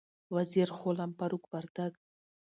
وزیر غلام فاروق وردک